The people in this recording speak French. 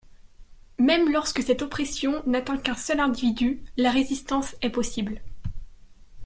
Même lorsque cette oppression n'atteint qu'un seul individu, la résistance est possible.